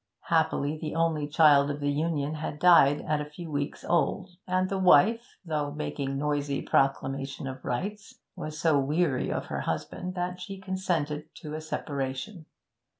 Happily the only child of the union had died at a few weeks old, and the wife, though making noisy proclamation of rights, was so weary of her husband that she consented to a separation.